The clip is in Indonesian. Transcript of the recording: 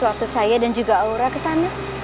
waktu saya dan juga aura kesana